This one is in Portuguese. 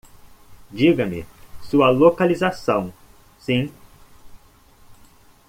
Diga-me sua localização, sim?